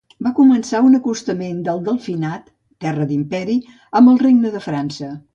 Va començar un acostament del Delfinat, terra d'Imperi, amb el regne de França.